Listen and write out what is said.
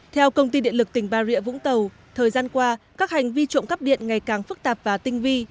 theo công ty điện lực tỉnh bà rịa vũng tàu thời gian qua các hành vi trộm cắp điện ngày càng phức tạp và tinh vi